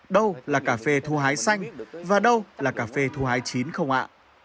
đâu là cà phê thu hái xanh và đâu là cà phê thu hái chín không ạ